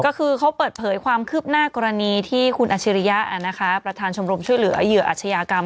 ก็คือเขาเปิดเผยความคืบหน้ากรณีที่คุณอาชิริยะประธานชมรมช่วยเหลือเหยื่ออาชญากรรม